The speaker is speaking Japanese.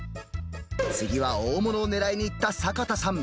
次は大物を狙いにいった坂田さん。